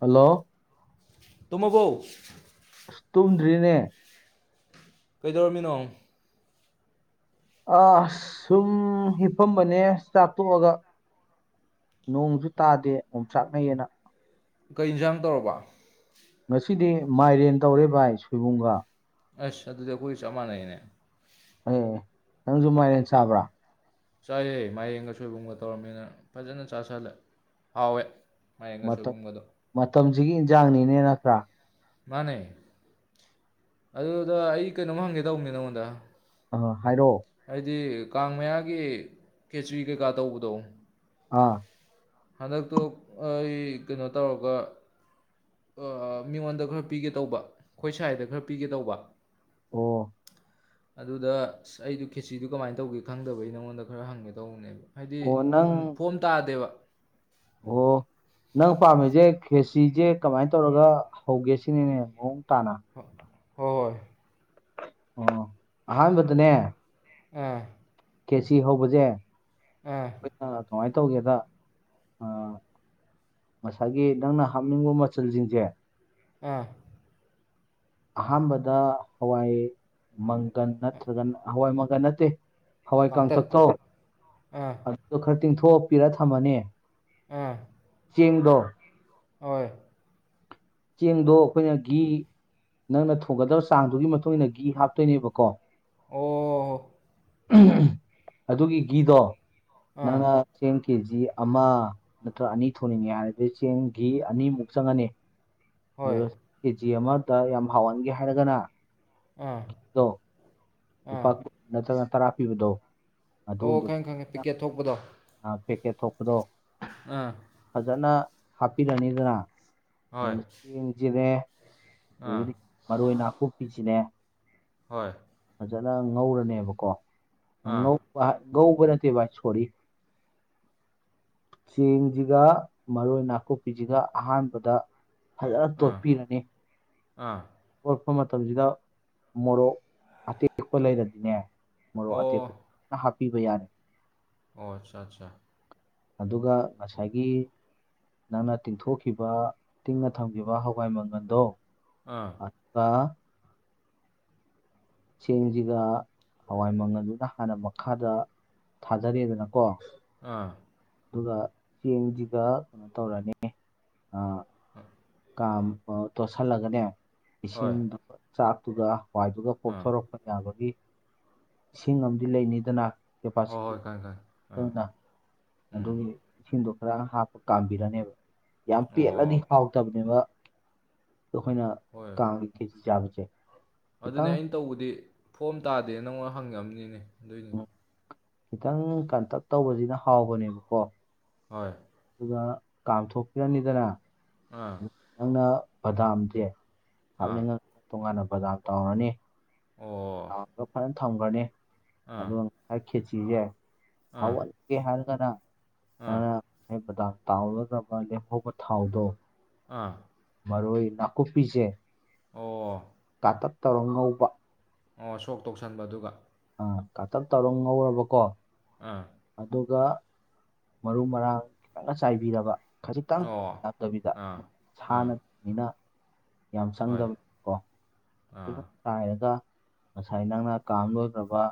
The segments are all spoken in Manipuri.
ꯍꯜꯂꯣ ꯇꯨꯝꯃꯕꯣ ꯑꯁ ꯇꯨꯝꯗ꯭ꯔꯤꯅꯦ ꯀꯩꯗꯧꯔꯝꯃꯤꯅꯣ ꯑꯁ ꯁꯨꯝ ꯍꯤꯞꯄꯝꯕꯅꯦ ꯆꯥꯛ ꯇꯣꯛꯑꯒ ꯅꯣꯡꯁꯨ ꯇꯥꯗꯦ ꯑꯣꯝꯆꯥꯛ ꯅꯩꯌꯦꯅ ꯀꯩ ꯏꯟꯁꯥꯡ ꯇꯧꯔꯕ ꯉꯁꯤꯗꯤ ꯃꯥꯏꯔꯦꯟ ꯇꯧꯔꯦ ꯚꯥꯏ ꯁꯣꯏꯕꯨꯝꯒ ꯑꯁ ꯑꯗꯨꯗꯤ ꯑꯩꯈꯣꯏ ꯆꯞ ꯃꯥꯟꯅꯩꯅꯦ ꯑꯦꯑꯦ ꯅꯪꯁꯨ ꯃꯥꯏꯔꯦꯟ ꯆꯥꯕ꯭ꯔꯥ ꯆꯥꯏꯌꯦ ꯃꯥꯏꯔꯦꯟꯒ ꯁꯣꯏꯕꯨꯝꯒ ꯇꯧꯔꯝꯃꯦꯅ ꯐꯥꯖꯅ ꯆꯥꯥꯁꯜꯂꯦ ꯍꯥꯎꯋꯦ ꯃꯥꯏꯔꯦꯟꯒ ꯃꯇꯝ ꯁꯣꯏꯕꯨꯝꯒꯗꯣ ꯃꯇꯝꯁꯤꯒꯤ ꯏꯟꯖꯥꯡꯅꯤꯅꯦ ꯅꯠꯇ꯭ꯔꯥ ꯃꯥꯅꯦ ꯑꯗꯨꯗ ꯑꯩ ꯀꯩꯅꯣꯝ ꯍꯪꯒꯦ ꯇꯧꯕꯅꯦ ꯅꯪꯉꯣꯟꯗ ꯑꯥ ꯍꯥꯏꯔꯛꯑꯣ ꯍꯥꯏꯗꯤ ꯀꯥꯡ ꯃꯌꯥꯒꯤ ꯈꯦꯆ꯭ꯔꯤ ꯀꯩꯀꯥ ꯇꯧꯕꯗꯣ ꯑꯥ ꯍꯟꯗꯛꯇꯣ ꯑꯩ ꯀꯩꯅꯣ ꯇꯧꯔꯒ ꯑꯥ ꯃꯤꯉꯣꯟꯗ ꯈꯔ ꯄꯤꯒꯦ ꯇꯧꯕ ꯈꯣꯏ ꯁꯥꯏꯗ ꯈꯔ ꯄꯤꯒꯦ ꯇꯧꯕ ꯑꯣ ꯑꯗꯨꯗ ꯑꯁ ꯑꯩꯗꯨ ꯈꯦꯠꯆꯤꯗꯨ ꯀꯃꯥꯏꯅ ꯇꯧꯒꯦ ꯈꯪꯗꯕꯩ ꯅꯪꯉꯣꯟꯗ ꯈꯔ ꯍꯪꯒꯦ ꯇꯧꯕꯅꯦꯕ ꯍꯥꯏꯗꯤ ꯑꯣ ꯎꯝ ꯐꯣꯝ ꯇꯥꯗꯦꯕ ꯑꯣꯍꯣ ꯅꯪ ꯄꯥꯝꯃꯤꯁꯦ ꯈꯦꯆ꯭ꯔꯤꯖꯦ ꯀꯃꯥꯏꯅ ꯇꯧꯔꯒ ꯍꯧꯒꯦ ꯁꯤꯅꯤꯅꯦ ꯃꯑꯣꯡ ꯇꯥꯅ ꯍꯣ ꯍꯣꯏ ꯑꯣ ꯑꯍꯥꯟꯕꯗꯅꯦ ꯑꯥ ꯈꯦꯆꯤ ꯍꯧꯕꯁꯦ ꯑꯥ ꯑꯩꯈꯣꯏꯅ ꯀꯃꯥꯏꯅ ꯇꯧꯒꯦꯗ ꯑꯥ ꯉꯁꯥꯏꯒꯤ ꯅꯪꯅ ꯍꯥꯞꯅꯤꯡꯕ ꯃꯆꯜꯖꯤꯡꯖꯦ ꯑꯥ ꯑꯍꯥꯝꯕꯗ ꯍꯋꯥꯏ ꯃꯪꯒꯟ ꯅꯠꯇ꯭ꯔꯒꯅ ꯍꯋꯥꯏ ꯃꯪꯒꯟ ꯅꯠꯇꯦ ꯍꯋꯥꯏ ꯀꯥꯡꯇꯛ ꯀꯥꯡꯊꯛ ꯇꯣ ꯑꯥ ꯑꯗꯣ ꯈꯔ ꯇꯤꯡꯊꯣꯛꯄꯤꯔ ꯊꯝꯃꯅꯤ ꯑꯥ ꯆꯦꯡꯗꯣ ꯍꯣꯏ ꯆꯦꯡꯗꯣ ꯑꯩꯈꯣꯏꯅ ꯒꯤ ꯅꯪꯅ ꯊꯨꯒꯗꯕ ꯆꯥꯡꯗꯨꯒꯤ ꯃꯇꯨꯡ ꯏꯟꯅ ꯒꯤ ꯍꯥꯞꯇꯨꯏꯅꯦꯕꯀꯣ ꯑꯣ ꯑꯗꯨꯒꯤ ꯒꯤꯗꯣ ꯑꯥ ꯅꯪꯅ ꯆꯦꯡ ꯀꯦꯖꯤ ꯑꯃ ꯅꯠꯇ꯭ꯔ ꯑꯅꯤ ꯊꯣꯡꯅꯤꯡꯉꯦ ꯍꯥꯏꯔꯗꯤ ꯆꯦꯡ ꯒꯤ ꯑꯅꯤꯃꯨꯛ ꯆꯪꯉꯅꯤ ꯍꯣꯏ ꯑꯗꯨꯒ ꯀꯦꯖꯤ ꯑꯃꯗ ꯌꯥꯝ ꯍꯥꯎꯍꯟꯒꯦ ꯍꯥꯏꯔꯒꯅ ꯑꯥ ꯑꯗꯣ ꯑꯥ ꯂꯨꯄꯥ ꯅꯠꯇ꯭ꯔꯒ ꯇꯔꯥ ꯄꯤꯕꯗꯣ ꯑꯣ ꯈꯪꯉꯦ ꯈꯪꯉꯦ ꯄꯤꯀꯦꯠ ꯊꯣꯛꯄꯗꯣ ꯑꯥ ꯄꯦꯀꯦꯠ ꯊꯣꯛꯄꯗꯣ ꯑꯥ ꯐꯖꯅ ꯍꯥꯞꯄꯤꯔꯅꯤꯗꯅ ꯍꯣꯏ ꯑꯥ ꯆꯦꯡꯖꯤꯅꯦ ꯑꯥ ꯑꯗꯒꯤꯗꯤ ꯃꯔꯣꯏ ꯅꯥꯀꯨꯞꯄꯤꯁꯤꯅꯦ ꯍꯣꯏ ꯐꯖꯅ ꯉꯧꯔꯅꯦꯕꯀꯣ ꯑꯥ ꯉꯧ ꯉꯧꯕ ꯅꯠꯇꯦ ꯚꯥꯏ ꯁꯣꯔꯤ ꯆꯦꯡꯖꯤꯒ ꯃꯔꯣꯏ ꯅꯥꯀꯨꯞꯄꯤꯖꯤꯒ ꯑꯍꯥꯟꯕꯗ ꯐꯖꯅ ꯑꯥ ꯇꯣꯠꯄꯤꯔꯅꯤ ꯑꯥ ꯇꯣꯠꯄ ꯃꯇꯝꯖꯤꯗ ꯃꯣꯔꯣꯛ ꯑꯇꯦꯛꯄ ꯂꯩꯔꯗꯤꯅꯦ ꯃꯔꯣꯛ ꯑꯣ ꯑꯇꯦꯛꯄ ꯐꯖꯅ ꯍꯥꯞꯄꯤꯕ ꯌꯥꯔꯦ ꯑꯣ ꯑꯠꯆꯥ ꯆꯥ ꯑꯗꯨꯒ ꯉꯁꯥꯏꯒꯤ ꯅꯪꯅ ꯇꯤꯡꯊꯣꯛꯈꯤꯕ ꯇꯤꯡꯉ ꯊꯝꯒꯤꯕ ꯍꯋꯥꯏ ꯃꯪꯒꯟꯗꯣ ꯑꯥ ꯑꯠꯇ ꯆꯦꯡꯖꯤꯒ ꯍꯋꯥꯏ ꯃꯪꯒꯟꯗꯨꯅ ꯍꯥꯟꯅ ꯃꯈꯥꯗ ꯊꯥꯗꯔꯦꯗꯅꯀꯣ ꯑꯥ ꯑꯗꯨꯒ ꯆꯦꯡꯁꯤꯒ ꯀꯩꯅꯣ ꯇꯧꯔꯅꯤ ꯑ [unintelligible] ꯀꯝꯃꯥ ꯇꯣꯠꯁꯤꯜꯂꯒꯅꯦ ꯍꯣꯏ ꯏꯁꯤꯡꯗꯨ ꯆꯥꯛꯇꯨꯒ ꯍꯋꯥꯏꯗꯨꯒ ꯑꯥ ꯄꯣꯛꯊꯣꯔꯛ ꯌꯥꯕꯒꯤ ꯏꯁꯤꯡ ꯑꯃꯗꯤ ꯂꯩꯅꯤꯗꯅ ꯍꯣꯏ ꯀꯦꯄꯥꯁꯤꯇꯤ ꯍꯣꯏ ꯈꯪꯉꯦ ꯈꯪꯉꯦ ꯑꯥ ꯑꯗꯨꯅ ꯎꯝ ꯑꯗꯨꯒꯤ ꯏꯁꯤꯡꯗꯣ ꯈꯔ ꯍꯥꯞꯄ ꯀꯥꯝꯕꯤꯔꯅꯦꯕ ꯌꯥꯝ ꯄꯦꯠꯂꯗꯤ ꯑꯣ ꯍꯥꯎꯇꯕꯅꯦꯕ ꯗꯣ ꯑꯈꯣꯏꯅ ꯍꯣꯏ ꯀꯥꯝ ꯈꯦꯆꯤ ꯆꯥꯡꯖꯦ ꯑꯗꯨꯅꯦ ꯑꯩꯅ ꯇꯧꯕꯗꯤ ꯐꯣꯝ ꯇꯥꯗꯦ ꯅꯪꯉꯣꯟꯗ ꯍꯪꯉꯝꯅꯤꯅꯦ ꯑꯗꯨꯏꯅꯤ ꯈꯤꯇꯪ ꯀꯟꯇꯛ ꯇꯧꯕꯖꯤꯅ ꯍꯥꯎꯕꯅꯦꯕꯀꯣ ꯍꯣꯏ ꯑꯗꯨꯒ ꯀꯥꯝꯊꯣꯛꯄꯤꯔꯅꯤꯗꯅ ꯑꯥ ꯅꯪꯅ ꯕꯗꯥꯝꯖꯦ ꯑꯥ ꯍꯥꯞꯅꯤꯡꯉ ꯇꯣꯉꯥꯟꯅ ꯕꯗꯥꯝ ꯇꯥꯎꯔꯅꯤ ꯑꯣ ꯇꯥꯎꯔꯒ ꯐꯖꯅ ꯊꯝꯒ꯭ꯔꯅꯤ ꯑꯥ ꯑꯗꯨꯒ ꯉꯁꯥꯏ ꯈꯦꯆꯤꯖꯦ ꯑꯥ ꯍꯥꯎꯋꯜ ꯒꯦ ꯍꯥꯏꯔꯒꯅ ꯑꯥ ꯅꯪꯅ ꯉꯁꯥꯏ ꯕꯗꯥꯝ ꯇꯥꯎꯔꯒ ꯑꯃ ꯂꯦꯝꯍꯧꯕ ꯊꯥꯎꯗꯣ ꯑꯥ ꯃꯔꯣꯏ ꯅꯥꯀꯨꯞꯄꯤꯖꯦ ꯑꯣ ꯀꯥꯇꯛ ꯇꯧꯔ ꯉꯧꯕ ꯑꯣ ꯁꯣꯛ ꯇꯧꯁꯟꯕ ꯑꯗꯨꯒ ꯑ ꯀꯥꯇꯛ ꯇꯧꯔ ꯉꯧꯔꯕꯀꯣ ꯑꯥ ꯑꯗꯨꯒ ꯃꯔꯨ ꯃꯔꯥꯡ ꯈꯤꯇꯪꯒ ꯆꯥꯏꯕꯤꯔꯕ ꯈꯖꯤꯛꯇꯪ ꯑꯣ ꯌꯥꯝꯗꯕꯤꯗ ꯑꯥ ꯁꯥ ꯑꯥ ꯅꯠꯇꯕꯅꯤꯅ ꯌꯥꯝ ꯍꯣꯏ ꯆꯪꯗꯕ ꯑꯥ ꯈꯤꯇꯪ ꯆꯥꯏꯔꯒ ꯉꯁꯥꯏ ꯅꯪꯅ ꯀꯥꯝ ꯂꯣꯏꯒ꯭ꯔꯕ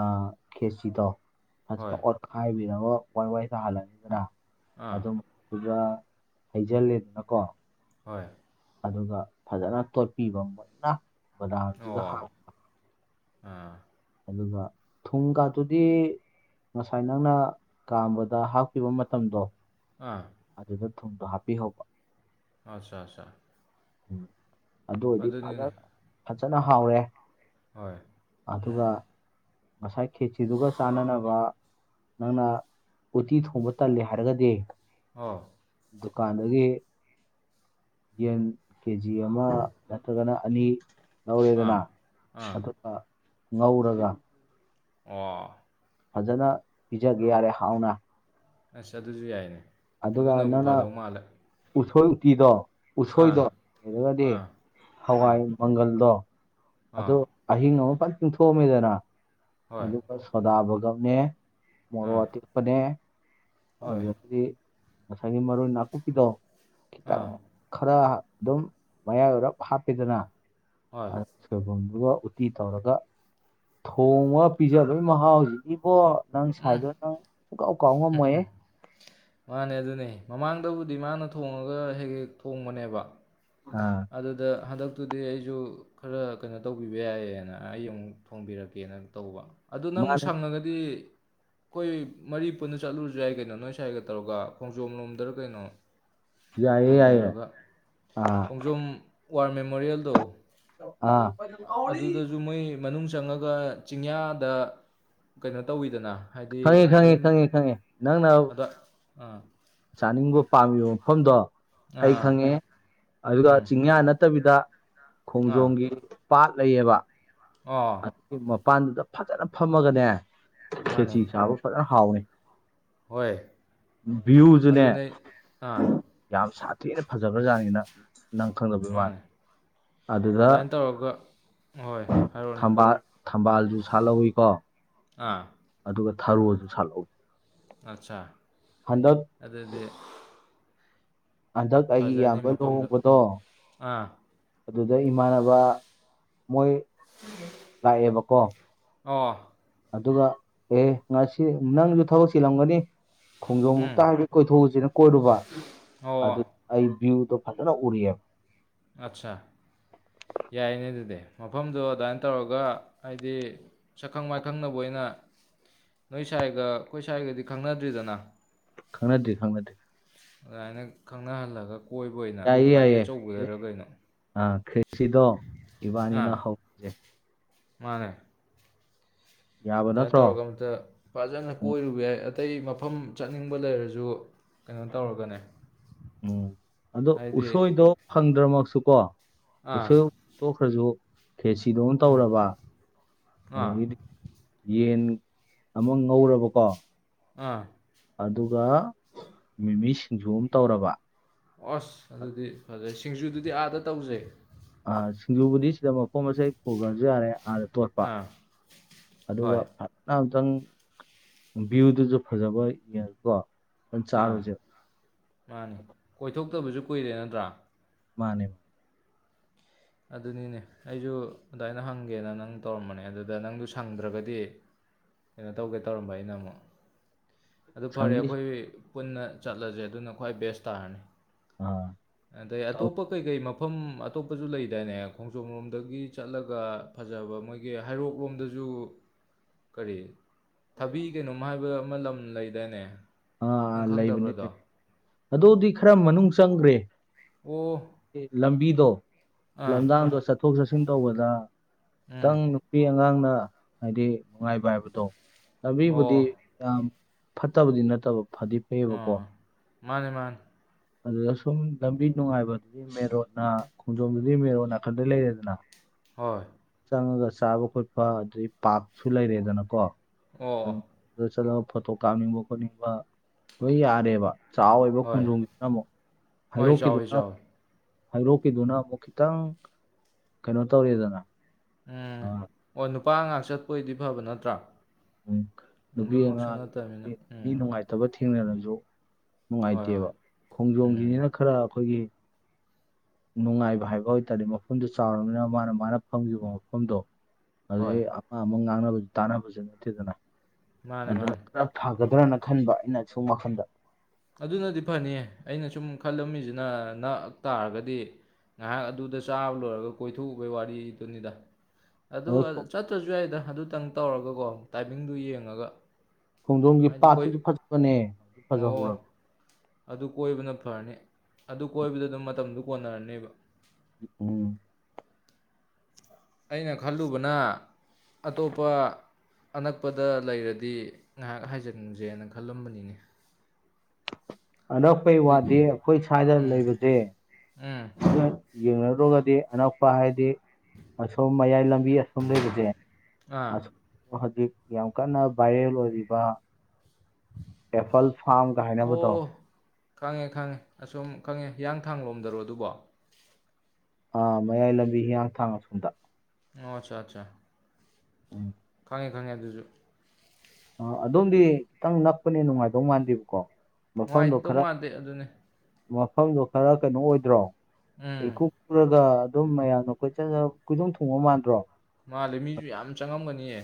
ꯑ ꯈꯦꯆꯤꯗꯣ ꯐꯖꯅ ꯍꯣꯏ ꯑꯣꯠꯈꯥꯏꯕꯤꯔꯒ ꯋꯥꯏ ꯋꯥꯏ ꯇꯥꯍꯜꯂꯅꯤꯗꯅ ꯑꯥ ꯑꯗꯨꯝ ꯗꯨꯒ ꯍꯩꯖꯜꯂꯦꯗꯅꯀꯣ ꯍꯣꯏ ꯑꯗꯨꯒ ꯐꯖꯅ ꯇꯣꯠꯄꯤꯕ ꯃꯨꯟꯅ ꯕꯗꯥꯝꯁꯤꯒ ꯑꯣ ꯍꯥꯞ ꯑꯥ ꯑꯗꯨꯒ ꯊꯨꯝ ꯀꯥꯗꯨꯨꯗꯤ ꯉꯁꯥꯏ ꯅꯪꯅ ꯀꯥꯝꯕꯗ ꯍꯥꯞꯈꯤꯕ ꯃꯇꯝꯗꯣ ꯑꯥ ꯑꯗꯨꯗ ꯊꯨꯝꯗꯣ ꯍꯥꯞꯄꯤꯍꯧꯕ ꯑꯆꯥ ꯆꯥ ꯎꯝ ꯑꯗꯨ ꯑꯣꯏꯔꯗꯤ ꯐꯖ ꯐꯖꯅ ꯍꯥꯎꯔꯦ ꯍꯣꯏ ꯑꯗꯨꯒ ꯉꯁꯥꯏ ꯈꯦꯆꯤꯗꯨꯒ ꯆꯥꯟꯅꯅꯕ ꯅꯪꯅ ꯎꯇꯤ ꯊꯣꯡꯕ ꯇꯜꯂꯦ ꯍꯥꯏꯔꯒꯗꯤ ꯑꯥ ꯗꯨꯀꯥꯟꯗꯒꯤ ꯌꯦꯟ ꯀꯦ ꯖꯤ ꯑꯃ ꯅꯠꯇ꯭ꯔꯒꯅ ꯑꯅꯤ ꯑꯥ ꯂꯧꯧꯔꯦꯗꯅ ꯑꯥ ꯑꯇꯞꯄ ꯉꯧꯔꯒ ꯑꯣ ꯐꯖꯅ ꯄꯤꯖꯒꯦ ꯌꯥꯔꯦ ꯍꯥꯎꯅ ꯑꯁ ꯑꯗꯨꯁꯨ ꯌꯥꯏꯅꯦ ꯑꯗꯨꯒ ꯑꯗꯨꯅꯕꯨ ꯅꯪꯅ ꯐꯗꯧ ꯃꯥꯜꯂꯦ ꯎꯊꯣꯏ ꯎꯇꯤꯗꯣ ꯑꯥ ꯎꯁꯣꯏꯗꯣ ꯂꯩꯔꯒꯗꯤ ꯑꯥ ꯑꯥ ꯍꯋꯥꯏ ꯃꯪꯒꯜꯗꯣ ꯑꯗꯨ ꯑꯥ ꯑꯍꯤꯡ ꯑꯃ ꯐ ꯇꯤꯡꯊꯣꯛꯑꯝꯃꯦꯗꯅ ꯍꯣꯏ ꯑꯗꯨꯒ ꯁꯣꯗꯥꯕꯒꯧꯅꯦ ꯃꯣꯔꯣꯛ ꯑꯥ ꯑꯇꯦꯛꯄꯅꯦ ꯍꯣꯏ ꯑꯗꯨꯗꯒꯤꯗꯤ ꯉꯁꯥꯏꯒꯤ ꯃꯔꯣꯏ ꯅꯥꯀꯨꯞꯄꯤꯗꯣ ꯈꯤꯇꯪ ꯑꯥ ꯈꯔ ꯑꯗꯨꯝ ꯃꯌꯥꯏ ꯑꯣꯏꯔꯞ ꯍꯥꯞꯄꯤꯗꯅ ꯍꯣꯏ ꯁꯣꯏꯕꯨꯝꯗꯨꯒ ꯎꯇꯤ ꯇꯧꯔꯒ ꯊꯣꯡꯉꯒ ꯄꯤꯖꯕꯣꯏ ꯃꯍꯥꯎ ꯍꯧꯖꯤꯛꯀꯤꯕꯣ ꯅꯪ ꯁꯥꯏꯗꯣ ꯅꯪ ꯁꯨꯀꯥꯎ ꯀꯥꯎ ꯉꯝꯃꯣꯏꯑꯦ ꯃꯥꯅꯦ ꯑꯗꯨꯅꯦ ꯃꯃꯥꯡꯗꯕꯨꯗꯤ ꯃꯥꯅ ꯊꯣꯡꯉꯒ ꯍꯦꯛ ꯍꯦꯛ ꯊꯣꯡꯕꯅꯦꯕ ꯑꯥ ꯑꯗꯨꯗ ꯍꯟꯗꯛꯇꯨꯗꯤ ꯑꯩꯁꯨ ꯈꯔ ꯀꯩꯅꯣ ꯇꯧꯕꯤꯕ ꯌꯥꯏꯌꯦꯅ ꯑꯩ ꯑꯃꯨꯛ ꯊꯣꯡꯕꯤꯔꯛꯀꯦꯅ ꯇꯧꯕ ꯑꯗꯨꯗ ꯅꯪ ꯃꯥꯅꯦ ꯁꯪꯉꯒꯗꯤ ꯑꯩꯈꯣꯏ ꯃꯔꯤ ꯄꯨꯟꯅ ꯆꯠꯂꯨꯔꯁꯨ ꯌꯥꯏ ꯀꯩꯅꯣ ꯅꯣꯏ ꯁꯥꯏꯒ ꯇꯧꯔꯒ ꯈꯣꯡꯖꯣꯝ ꯂꯣꯝꯗꯔ ꯀꯩꯅꯣ ꯌꯥꯏꯌꯦ ꯍꯥꯏ ꯌꯥꯏꯌꯦ ꯇꯔꯒ ꯑꯥ ꯈꯣꯡꯖꯣꯝ ꯋꯥꯔ ꯃꯦꯃꯣꯔꯤꯌꯦꯜꯗꯣ ꯑꯥ ꯑꯗꯨꯗꯁꯨ ꯃꯣꯏ ꯃꯅꯨꯡ ꯆꯪꯉꯒ ꯆꯤꯡꯌꯥꯗ ꯀꯩꯅꯣ ꯇꯧꯋꯤꯗꯅ ꯍꯥꯏꯗꯤ ꯈꯪꯉꯤ ꯈꯪꯉꯤ ꯈꯪꯉꯤ ꯈꯪꯉꯦ ꯅꯪ ꯅꯅꯥ ꯎꯝ ꯆꯥꯅꯤꯡꯕ ꯄꯥꯝꯃꯤꯕ ꯃꯐꯝꯗꯣ ꯑꯩ ꯑꯥ ꯈꯪꯉꯦ ꯑꯗꯨꯒ ꯎꯝ ꯆꯤꯡꯌꯥ ꯅꯠꯇꯕꯤꯗ ꯈꯣꯡꯖꯣꯝꯒꯤ ꯄꯥꯠ ꯂꯩꯌꯦꯕ ꯑꯥ ꯃꯄꯥꯟꯗꯨꯗ ꯐꯖꯅ ꯐꯝꯃꯒꯅꯦ ꯃꯥꯅꯦ ꯈꯦꯆꯤ ꯆꯥꯕ ꯐꯖꯅ ꯍꯥꯎꯋꯦ ꯍꯣꯏ ꯚ꯭ꯋꯨꯁꯨꯅꯦ ꯑꯗꯨꯅꯦ ꯑꯥ ꯌꯥꯝ ꯁꯥꯊꯤꯅ ꯐꯖꯕ꯭ꯔꯥꯖꯥꯠꯅꯤꯅ ꯅꯪ ꯈꯪꯗꯕꯩ ꯃꯥꯅꯦ ꯋꯥꯅꯦꯦ ꯑꯗꯨꯗ ꯑꯗꯨꯃꯥꯏꯅ ꯇꯧꯔꯒ ꯍꯣꯏ ꯊꯝꯕꯥꯜ ꯊꯝꯕꯥꯜꯁꯨ ꯁꯥꯠꯍꯧꯋꯤꯀꯣ ꯑꯥ ꯑꯗꯨꯒ ꯊꯔꯣꯁꯨ ꯁꯥꯠꯍꯧꯋꯤ ꯑꯠꯆꯥ ꯍꯟꯗꯛ ꯑꯗꯨꯗꯗꯤ ꯍꯟꯗꯛ ꯑꯩꯒꯤ ꯐꯖꯅꯤ ꯏꯌꯥꯝꯕ ꯃꯐꯝꯗꯨ ꯂꯨꯍꯣꯡꯕꯗꯣ ꯑꯥ ꯑꯗꯨꯗ ꯏꯃꯥꯟꯅꯕ ꯃꯣꯏ ꯂꯥꯛꯑꯦꯕꯀꯣ ꯑꯣ ꯑꯗꯨꯒ ꯑꯦ ꯉꯁꯤ ꯅꯪꯖꯨ ꯊꯕꯛ ꯆꯤꯜꯂꯝꯒꯅꯤ ꯎꯝ ꯈꯣꯡꯖꯣꯝꯕꯨꯛꯇ ꯍꯥꯏꯕꯤ ꯀꯣꯏꯊꯣꯛꯎꯖꯤꯅ ꯀꯣꯏꯔꯨꯕ ꯑꯣ ꯑꯗꯨ ꯑꯩ ꯚ꯭ꯌꯨꯗꯣ ꯐꯖꯅ ꯎꯔꯤꯌꯦ ꯑꯠꯆꯥꯥ ꯌꯥꯏꯅꯦ ꯑꯗꯨꯗꯤ ꯃꯐꯝꯗꯣ ꯑꯗꯥꯏꯟ ꯇꯧꯔꯒ ꯍꯥꯏꯗꯤ ꯁꯛꯈꯪ ꯃꯥꯏꯈꯪꯅꯕ ꯑꯣꯏꯅ ꯅꯣꯏ ꯁꯥꯏꯒ ꯑꯈꯣꯏ ꯁꯥꯏꯒꯗꯤ ꯈꯪꯅꯗ꯭ꯔꯤꯗꯅ ꯈꯪꯅꯗꯦ ꯈꯪꯅꯗꯦ ꯑꯗꯨꯃꯥꯏꯅ ꯈꯪꯅꯍꯜꯂꯒ ꯀꯣꯏꯕ ꯑꯣꯏꯅ ꯒꯥꯔꯤ ꯑꯆꯧꯕꯗꯔ ꯀꯩꯅꯣ ꯑ ꯈ꯭ꯔꯦꯆꯤꯁꯤꯗꯣ ꯏꯕꯥꯅꯤꯅ ꯑꯥ ꯍꯧ ꯃꯥꯅꯦ ꯌꯥꯕ ꯗꯥꯏꯟ ꯅꯠꯇ꯭ꯔꯣ ꯇꯧꯔꯒ ꯑꯝꯇ ꯐꯥꯖꯅ ꯎꯝ ꯀꯣꯏꯔꯨꯕ ꯌꯥꯏ ꯑꯇꯩ ꯃꯐꯝ ꯆꯠꯅꯤꯡꯕ ꯂꯩꯔꯖꯨ ꯀꯩꯅꯣ ꯇꯧꯔꯒꯅꯦ ꯎꯝ ꯑꯗꯣ ꯍꯥꯏꯗꯤ ꯎꯁꯣꯏꯗꯣ ꯐꯪꯗ꯭ꯔꯃꯛꯁꯨꯀꯣ ꯑꯥ ꯎꯁꯣꯏ ꯊꯣꯛꯈ꯭ꯔꯖꯨ ꯈꯦꯆꯤꯗꯣ ꯑꯃꯥ ꯎꯝ ꯇꯧꯔꯕ ꯑꯥ ꯑꯗꯒꯤꯗꯤ ꯌꯦꯟ ꯑꯃꯥ ꯉꯧꯔꯕꯀꯣ ꯑꯥ ꯑꯗꯨꯒ ꯃꯤꯃꯤ ꯁꯤꯡꯖꯨ ꯑꯝ ꯇꯧꯔꯕ ꯑꯣꯁ ꯑꯗꯨꯗꯤ ꯐꯖꯩ ꯁꯤꯡꯖꯨꯗꯨꯗꯤ ꯑꯥꯗ ꯇꯧꯖꯦ ꯑꯥ ꯁꯤꯡꯖꯨꯕꯨꯗꯤ ꯁꯤꯗ ꯃꯄꯣꯠ ꯃꯆꯩ ꯄꯨꯒ꯭ꯔꯖꯨ ꯌꯥꯔꯦ ꯑꯥꯗ ꯇꯣꯠꯄ ꯑꯥ ꯑꯗꯨꯒ ꯍꯣꯏ ꯐ ꯅ ꯑꯝꯇꯪ ꯚ꯭ꯌꯨꯗꯨꯖꯨ ꯐꯖꯕ ꯌꯦꯡꯉꯀꯣ ꯑꯥ ꯆꯥꯔꯨꯁꯦ ꯃꯥꯅꯤ ꯀꯣꯏꯊꯣꯛꯇꯕꯖꯨ ꯀꯨꯏꯔꯦ ꯅꯠꯇ꯭ꯔꯥ ꯃꯥꯅꯦ ꯑꯗꯨꯅꯤꯅꯦ ꯑꯩꯖꯨ ꯑꯗꯥꯏꯅ ꯍꯪꯒꯦꯅ ꯅꯪ ꯇꯧꯔꯝꯕꯅꯦ ꯑꯗꯨꯗ ꯅꯪꯗꯨ ꯁꯪꯗ꯭ꯔꯒꯗꯤ ꯀꯩꯅꯣ ꯇꯧꯒꯦ ꯇꯧꯔꯝꯕ ꯑꯩꯅ ꯑꯃꯨꯛ ꯑꯗꯨ ꯐꯥꯔꯦ ꯁꯪꯅꯤ ꯑꯈꯣꯏ ꯄꯨꯟꯅ ꯆꯠꯂꯖꯦ ꯑꯗꯨꯅ ꯈ꯭ꯋꯥꯏ ꯕꯦꯁ ꯇꯥꯔꯅꯤ ꯑ ꯑꯗꯩ ꯑꯇꯣꯞꯄ ꯀꯩ ꯀꯩ ꯃꯐꯝ ꯑꯇꯣꯞꯄꯖꯨ ꯂꯩꯗꯥꯏꯅꯦ ꯈꯣꯡꯖꯣꯝꯔꯣꯝꯗꯒꯤ ꯆꯠꯂꯒ ꯐꯥꯖꯕ ꯃꯣꯏ ꯒꯦ ꯍꯩꯔꯣꯛꯂꯣꯝꯗꯖꯨ ꯀꯔꯤ ꯊꯕꯤ ꯀꯩꯅꯣꯝ ꯍꯥꯏꯕ ꯑꯃ ꯂꯝ ꯂꯩꯗꯥꯏꯅꯦ ꯑꯥꯥ ꯅꯪ ꯂꯩꯕꯅꯦ ꯈꯪꯗꯕ꯭ꯔꯗꯣ ꯑꯗꯨꯗꯤ ꯈ꯭ꯔ ꯃꯅꯨꯡ ꯆꯪꯒ꯭ꯔꯦ ꯑꯣ ꯂꯝꯕꯤꯗꯣ ꯑꯥ ꯂꯝꯗꯥꯡꯗꯣ ꯆꯠꯊꯣꯛ ꯆꯠꯁꯤꯟ ꯇꯧꯕꯗ ꯎꯝ ꯇꯪ ꯅꯨ ꯄꯤ ꯑꯉꯥꯡꯅ ꯍꯥꯏꯗꯤ ꯅꯨꯡꯉꯥꯏꯕ ꯍꯥꯏꯕꯗꯣ ꯑꯣ ꯂꯝꯕꯤꯕꯨꯗꯤ ꯌꯥꯝ ꯐꯠꯇꯕꯗꯤ ꯅꯠꯇꯕ ꯐꯗꯤ ꯐꯩꯌꯦꯕꯀꯣ ꯑꯣ ꯃꯥꯅꯦ ꯃꯥꯅꯦ ꯑꯗꯨꯗ ꯁꯨꯝ ꯂꯝꯕꯤ ꯅꯨꯡꯉꯥꯏꯕꯗꯨꯗꯤ ꯃꯦꯔꯣꯠꯅ ꯈꯣꯡꯖꯣꯝꯗꯨꯗꯤ ꯃꯦꯔꯣꯠ ꯅꯥꯀꯟꯗ ꯂꯩꯔꯦꯗꯅ ꯍꯣꯏ ꯆꯪꯉꯒ ꯆꯥꯕ ꯈꯣꯠꯄ ꯑꯗꯨꯗꯩ ꯄꯥꯛꯁꯨ ꯂꯩꯔꯦꯗꯅꯀꯣ ꯑꯣ ꯑꯗꯨꯝ ꯑꯗꯨꯗ ꯆꯠꯂꯒ ꯐꯣꯇꯣ ꯀꯥꯞꯅꯤꯡꯕ ꯈꯣꯠꯅꯤꯡꯕ ꯂꯣꯏ ꯌꯥꯔꯦꯕ ꯆꯥꯎꯋꯦꯕ ꯍꯣꯏ ꯈꯣꯡꯖꯣꯝꯒꯤꯗꯨꯅ ꯑꯃꯨꯛ ꯍꯣꯏ ꯆꯥꯎꯋꯤ ꯍꯩꯔꯣꯛꯀꯤꯗꯨꯅ ꯆꯥꯎꯋꯤ ꯍꯩꯔꯣꯛꯗꯨꯅ ꯑꯃꯨꯛ ꯈꯤꯇꯪ ꯀꯩꯅꯣ ꯇꯧꯔꯦꯗꯅ ꯎꯝ ꯑꯥ, ꯑꯣ ꯅꯨꯄꯥꯉꯥꯛ ꯆꯠꯄꯣꯏꯗꯤ ꯐꯕ ꯅꯠꯇ꯭ꯔꯥ ꯎꯝ ꯅꯨꯄꯤ ꯑꯗꯨꯃꯛꯁꯨ ꯅꯠꯇꯕꯅꯤꯅ ꯑꯉꯥꯡꯗꯨꯗꯗꯤ ꯃꯤ ꯎꯝ ꯅꯨꯉꯥꯏ ꯐꯠꯇꯕ ꯊꯦꯡꯅꯔꯁꯨ ꯍꯣꯏ ꯍꯣꯏ ꯅꯨꯡꯉꯥꯏꯇꯦꯕ ꯎꯝ ꯈꯣꯡꯖꯣꯝꯒꯤꯅꯤꯅ ꯈꯔ ꯑꯩꯈꯣꯏꯒꯤ ꯅꯨꯡꯉꯥꯏꯕ ꯍꯥꯏꯕ ꯑꯣꯏꯇꯥꯔꯗꯤ ꯃꯐꯝꯗꯨ ꯆꯥꯎꯔꯕꯅꯤꯅ ꯃꯥꯅ ꯃꯥꯅ ꯐꯝꯈꯤꯕ ꯃꯐꯝꯗꯣ ꯍꯣꯏ ꯑꯗꯨꯗꯩ ꯑ ꯃꯥ ꯑꯃꯨꯛ ꯉꯥꯡꯅꯕ ꯇꯥꯟꯅꯕꯁꯨ ꯅꯠꯇꯦꯗꯅ ꯃꯥꯅꯦ ꯑꯗꯨꯅ ꯃꯥꯅꯦ ꯈꯔ ꯐꯒꯗ꯭ꯔꯅ ꯈꯟꯕ ꯑꯩꯅ ꯁꯨꯝ ꯋꯥꯈꯜꯗ ꯑꯗꯨꯅꯗꯤ ꯐꯅꯤ ꯑꯩꯅ ꯁꯨꯝ ꯈꯜꯂꯝꯃꯤꯁꯤꯅ ꯅꯛ ꯇꯥꯔꯒꯗꯤ ꯉꯥꯏꯍꯥꯛ ꯑꯗꯨꯗ ꯆꯥꯕ ꯂꯣꯏꯔꯒ ꯀꯣꯏꯊꯣꯛꯎꯕꯩ ꯋꯥꯔꯤꯗꯨꯅꯤꯗ ꯑꯗꯨ ꯑꯗ ꯑ ꯆꯠꯇ꯭ꯔꯁꯨ ꯌꯥꯏꯗ ꯑꯗꯨꯇꯪ ꯇꯧꯔꯒꯀꯣ ꯇꯥꯏꯃꯤꯡꯗꯨ ꯌꯦꯡꯉꯒ ꯈꯣꯡꯖꯣꯝꯒꯤ ꯍꯥꯏꯗꯤ ꯀꯣꯏ ꯄꯥꯠꯇꯨꯁꯨ ꯐꯖꯕꯅꯦ ꯑꯣ ꯐꯖꯍꯧꯔꯕꯅꯦ ꯑꯗꯨ ꯀꯣꯏꯕꯅ ꯐꯔꯅꯤ ꯑꯗꯨ ꯀꯣꯏꯕꯗ ꯑꯗꯨꯝ ꯃꯇꯝꯗꯨ ꯀꯣꯟꯅꯔꯅꯤꯕ ꯎꯝ ꯑꯩꯅ ꯈꯜꯂꯨꯕꯅ ꯑꯇꯣꯞꯄ ꯑꯅꯛꯄꯗ ꯂꯩꯔꯗꯤ ꯉꯥꯏꯍꯥꯛ ꯍꯥꯏꯖꯤꯟꯁꯦꯅ ꯈꯜꯂꯝꯕꯅꯤꯅꯦ ꯑꯅꯛꯄꯩ ꯋꯥꯗꯤ ꯑꯩꯈꯣꯏ ꯁ꯭ꯋꯥꯏꯗ ꯂꯩꯕꯁꯦ ꯑꯥ ꯑꯗꯨꯅ ꯌꯦꯡꯅꯔꯨꯔꯒꯗꯤ ꯑꯅꯛꯄ ꯍꯥꯏꯗꯤ ꯑꯁꯣꯝ ꯃꯌꯥꯏ ꯂꯝꯕꯤ ꯑꯁꯣꯝ ꯂꯩꯕꯁꯦ ꯑꯥ ꯍꯧꯖꯤꯛ ꯌꯥꯝ ꯀꯟꯅ ꯚꯥꯏꯔꯦꯜ ꯑꯣꯏꯔꯤꯕ ꯑꯦꯄꯜ ꯐꯥꯔꯝꯒ ꯍꯥꯏꯅꯕꯗꯣ ꯑꯣ ꯈꯪꯉꯦ ꯈꯪꯉꯦ ꯑꯁꯣꯝ ꯈꯪꯉꯦ ꯍꯤꯌꯥꯡꯊꯥꯡ ꯂꯣꯝꯗꯔꯣ ꯑꯗꯨꯕꯣ ꯑꯥ ꯃꯌꯥꯏ ꯂꯝꯕꯤ ꯍꯤꯌꯥꯡꯊꯥꯡ ꯑꯁꯣꯝꯗ ꯑꯣ ꯑꯠꯆꯥ ꯑꯠꯆꯥ [unintelligible] ꯈꯪꯉꯦ ꯈꯪꯉꯦ ꯑꯗꯨꯁꯨ ꯑ ꯑꯗꯣꯝꯗꯤ ꯈꯤꯇꯪ ꯅꯛꯄꯅꯤꯅ ꯅꯨꯡꯉꯥꯏꯗꯧ ꯃꯥꯟꯗꯦꯕꯀꯣ ꯃꯐꯝꯗꯣ ꯅꯨꯡꯉꯥꯏꯇꯧ ꯈꯔ ꯃꯥꯟꯗꯦ ꯑꯗꯨꯅꯦ ꯃꯐꯝꯗꯣ ꯈꯔ ꯀꯩꯅꯣ ꯑꯣꯏꯗ꯭ꯔꯣ ꯎꯝ ꯏꯀꯨꯞꯔꯒ ꯑꯗꯨꯝ ꯃꯌꯥꯝꯅ ꯀꯣꯏꯆꯠ ꯆꯠ ꯀꯣꯏꯗꯣꯡ ꯊꯣꯡꯕ ꯃꯥꯟꯗ꯭ꯔꯣ ꯃꯥꯜꯂꯦ ꯃꯤꯁꯨ ꯌꯥꯝ ꯆꯪꯉꯝꯒꯅꯤꯑꯦ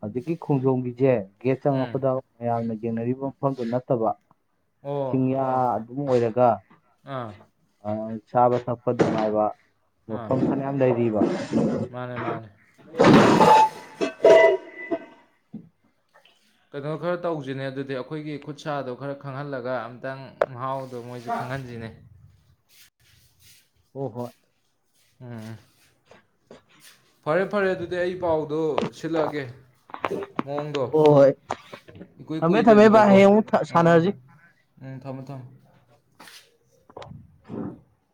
ꯍꯧꯖꯤꯛꯀꯤ ꯈꯣꯡꯖꯣꯝꯒꯤꯁꯦ ꯒꯦꯠ ꯆꯪ ꯎꯝ ꯉꯛꯄꯗ ꯃꯌꯥꯝꯅ ꯌꯦꯡꯅꯔꯤꯕ ꯃꯐꯝꯗꯨ ꯅꯠꯇꯕ ꯑꯣ ꯆꯤꯡꯌꯥ ꯑꯗꯨꯝ ꯑꯣꯏꯔꯒ ꯑꯥ ꯑ ꯆꯥꯕ ꯊꯛꯄ ꯅꯨꯡꯉꯥꯏꯕ ꯑꯥ ꯃꯐꯝ ꯐꯅꯌꯥꯝ ꯂꯩꯔꯤꯕ ꯃꯥꯅꯦ ꯃꯥꯅꯦ [unintelligible] ꯀꯩꯅꯣ ꯈꯔ ꯇꯧꯁꯤꯅꯦ ꯑꯗꯨꯗꯤ ꯑꯩꯈꯣꯏꯒꯤ ꯈꯨꯠ ꯁꯥꯗꯣ ꯈꯔ ꯈꯪꯍꯜꯂꯒ ꯑꯝꯇꯪ ꯃꯍꯥꯎ ꯗꯣ ꯃꯣꯏꯁꯨ ꯈꯪꯍꯟꯁꯤꯅꯦ ꯑꯣ ꯍꯣꯏ ꯎꯝ ꯎꯝ ꯐꯔꯦ ꯐꯔꯦ ꯑꯗꯨꯗꯤ ꯑꯩ ꯄꯥꯎꯗꯣ ꯁꯤꯜꯂꯛꯑꯒꯦ ꯃꯑꯣꯡꯗꯣ ꯍꯣꯏ ꯍꯣꯏ ꯏꯀꯨꯏ ꯊꯝꯃꯦ ꯊꯝꯃꯦ ꯚꯥꯏ ꯀꯨꯏꯗꯕꯤꯗꯀꯣ ꯍꯌꯦꯡ ꯑꯃꯨꯛ ꯊ- ꯑꯥ ꯁꯥꯟꯅꯔꯁꯤ ꯎꯝ ꯊꯝꯃꯣ ꯊꯝꯃꯣ [unintelligible]